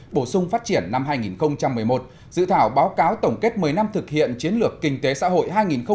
bổ sung phát triển năm hai nghìn một mươi một dự thảo báo cáo tổng kết một mươi năm thực hiện chiến lược kinh tế xã hội hai nghìn một mươi hai nghìn hai mươi